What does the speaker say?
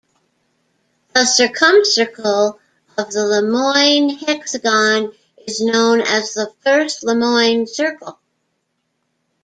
The circumcircle of the Lemoine hexagon is known as the first Lemoine circle.